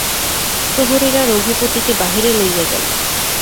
প্রহরীরা রঘুপতিকে বাহিরে লইয়া গেল।